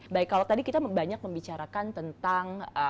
baik kalau tadi kita banyak membicarakan tentang